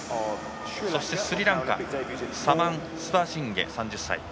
そして、スリランカサマン・スバシンゲ、３０歳。